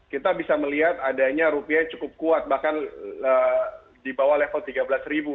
kita bisa melihat adanya rupiah cukup kuat bahkan di bawah level tiga belas ribu